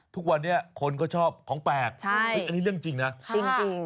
ทุกวันนี้คนเขาชอบของแปลกอันนี้เรื่องจริงนะจริง